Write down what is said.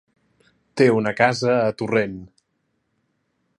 Té una casa a Torrent.